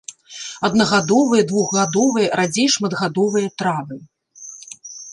Аднагадовыя, двухгадовыя, радзей шматгадовыя травы.